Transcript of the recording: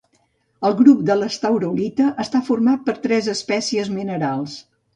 El grup de l'estaurolita està format per tres espècies minerals.